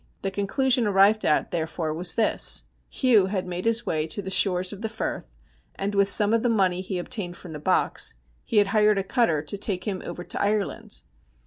The conclusion arrived at, there fore, was this : Hugh had made his way to the shores of the Firth, and with some of the money he obtained from the box he had hired a cutter to take him over to Ireland.